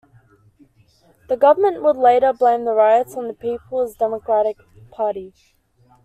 The Government would later blame the riots on the People's Democratic Party.